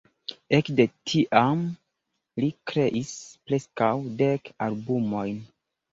Ekde tiam li kreis preskaŭ dek albumojn.